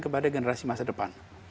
kepada generasi masa depan